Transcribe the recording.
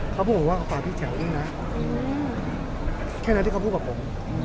เขาบอกว่าเขาฝากพี่แจ๋วด้วยนะแค่นั้นที่เขาพูดกับผม